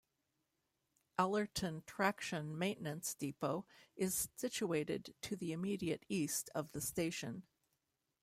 Allerton Traction Maintenance Depot is situated to the immediate east of the station.